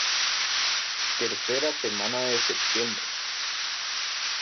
Tercera semana de septiembre.